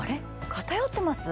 偏ってます？